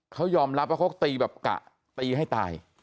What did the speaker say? เขายอมรับว่าเขาตีแบบกะตีให้ตาย